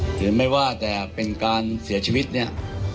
หรือไม่ว่าแต่เป็นการเสียชีวิตเนี่ย